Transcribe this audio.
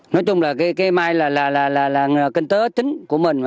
nói chung là cây mai là kinh tế chính của mình